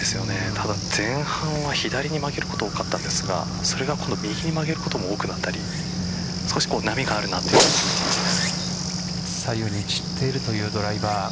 ただ、前半は左に曲げることが多かったんですがそれが右に曲げることも多かったので左右に散っているというドライバー。